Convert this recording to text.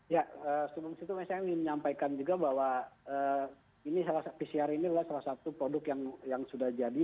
ya sebelum situ saya ingin menyampaikan juga bahwa pcr ini adalah salah satu produk yang sudah jadi